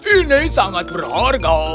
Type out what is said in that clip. ini sangat berharga